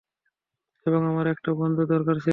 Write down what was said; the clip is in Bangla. এবং আমার একটা বন্ধুর দরকার ছিল।